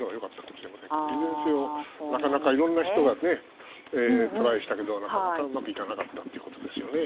いずれにせよ、なかなかいろいろな人がトライしたけどなかなか、うまくいかなかったということですよね。